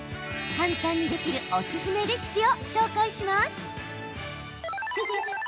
簡単にできるおすすめレシピを紹介します。